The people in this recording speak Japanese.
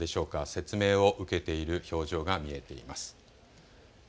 説明を受けている表情が見えています。